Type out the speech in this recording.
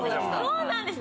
そうなんです。